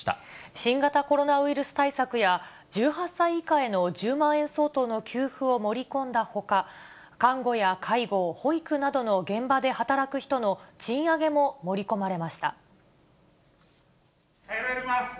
新型コロナウイルス対策や、１８歳以下への１０万円相当の給付を盛り込んだほか、看護や介護、保育などの現場で働く人の賃上げも盛り込まれました。